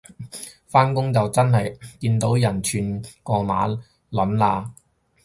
返工就真係見過人串過馬撚嘞